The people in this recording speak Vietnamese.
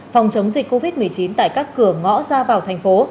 phòng chống dịch covid một mươi chín tại các cửa ngõ ra vào thành phố